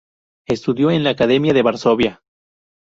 Estudió en la Academia de Varsovia.